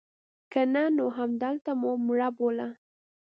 که نه نو همدلته مو مړه بوله.